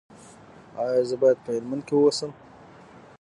ایا زه باید په هلمند کې اوسم؟